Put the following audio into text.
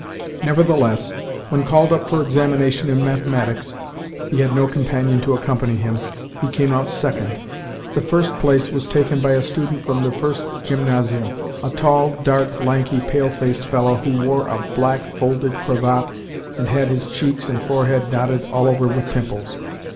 Nevertheless, when called up for examination in mathematics (he had no companion to accompany him), he came out second. The first place was taken by a student from the first gymnasium a tall, dark, lanky, pale faced fellow who wore a black folded cravat and had his cheeks and forehead dotted all over with pimples.